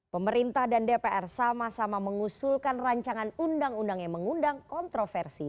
pemerintah dan dpr sama sama mengusulkan rancangan undang undang yang mengundang kontroversi